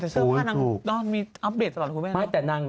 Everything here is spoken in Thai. เชื่อว่ามีอัพเดทตลอดความความข้อมั่ง